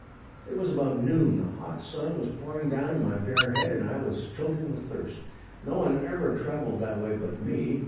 It was about noon. The hot sun was pouring down on my bare head and I was choking with thirst. No one ever traveled that way but me.